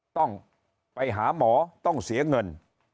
ต้องไปหาหมอต้องเสียเงิน